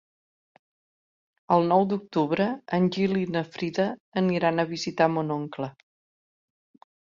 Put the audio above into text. El nou d'octubre en Gil i na Frida aniran a visitar mon oncle.